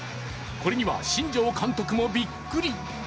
これには新庄監督もびっくり。